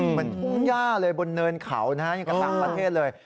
ทุ่งย่าเลยบนเนินเขานะฮะอย่างกับต่างประเทศเลย